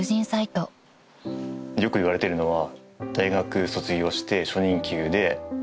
よくいわれているのは。